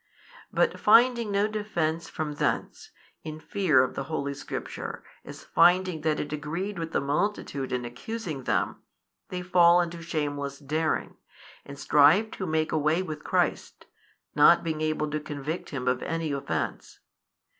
But finding no defence from thence, in fear of the holy Scripture, as finding that it agreed with the multitude in accusing them, they fall into shameless daring, and strive to make away with Christ, not being able to convict Him of any offence.